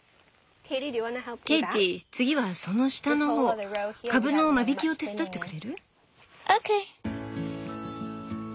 ケイティ次はその下の方カブの間引きを手伝ってくれる？